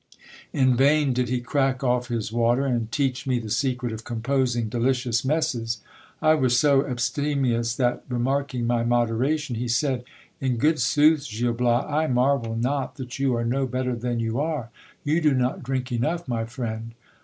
In vain did he crack off his water, and teach me the secret of composing delicious messes. I was so abstemious, that, remarking my moderation, he said — In good sooth, Gil Bias, I marvel not that you are no better than you are ; you do not drink enough, my friend.